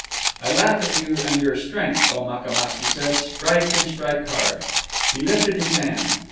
"I laugh at you and your strength, O Makamuk," he said. "Strike, and strike hard." He lifted his hand.